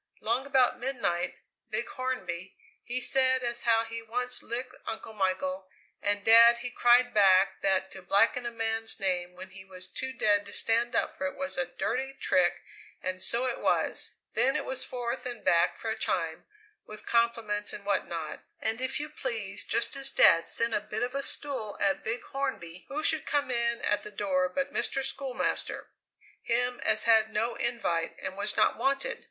Long about midnight Big Hornby he said as how he once licked Uncle Michael, and Dad he cried back that to blacken a man's name when he was too dead to stand up for it was a dirty trick, and so it was! Then it was forth and back for a time, with compliments and what not, and if you please just as Dad sent a bit of a stool at Big Hornby, who should come in at the door but Mr. Schoolmaster, him as had no invite and was not wanted!